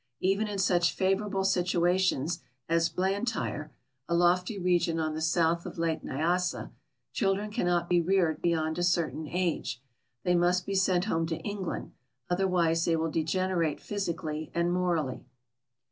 Even in such favorable situations as Blantyre. a lofty region on the south of Lake Nyasa. children cannot be reared beyond a certain age ; they nuist be sent home to England, otherwise they will degenerate physically and morally.